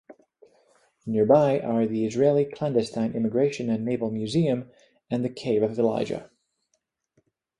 Nearby are the Israeli Clandestine Immigration and Naval Museum and the Cave of Elijah.